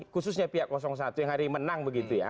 khususnya pihak satu yang hari ini menang